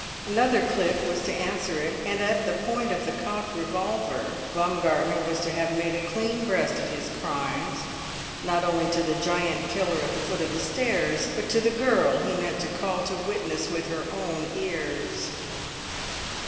Another click was to answer it; and at the point of the cocked revolver Baumgartner was to have made a clean breast of his crimes, not only to the giant killer at the foot of the stairs but to the girl he meant to call to witness with her own ears.